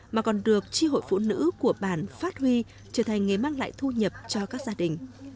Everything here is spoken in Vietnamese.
mà còn được tri hội phụ nữ của bản phát huy trở thành nghề mang lại thu nhập cho các gia đình